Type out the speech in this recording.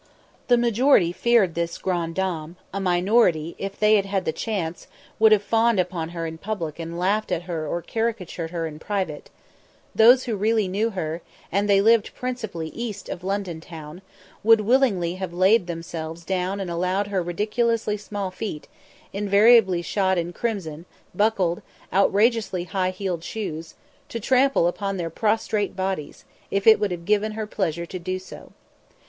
The majority feared this grande dame, a minority, if they had had the chance, would have fawned upon her in public and laughed at or caricatured her in private; those who really knew her, and they lived principally east of London town, would willingly have laid themselves down and allowed her ridiculously small feet, invariably shod in crimson, buckled, outrageously high heeled shoes, to trample upon their prostrate bodies, if it would have given her pleasure so to do.